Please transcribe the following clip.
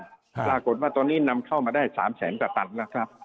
ปรากฏว่าตอนนี้นำเข้ามาได้๓แสนกว่าตันแล้วครับ